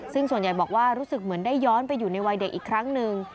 ซึ่งส่วนใหญ่บอกว่ารู้สึกเหมือนได้ย้อนไปอยู่ในวัยเด็กอีกครั้งหนึ่ง